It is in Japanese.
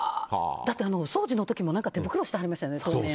だって、お掃除の時も手袋してはりましたよね。